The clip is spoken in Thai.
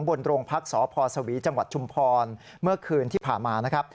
บนโรงพรรคสพสวีจชุมพรเมื่อคืนที่ผ่ามานะครับ